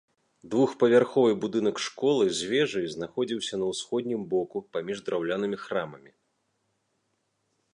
Двухпавярховы будынак школы з вежай знаходзіўся на ўсходнім боку паміж драўлянымі храмамі.